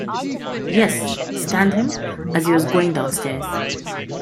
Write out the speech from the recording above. Yes — stunned him — as he was going downstairs.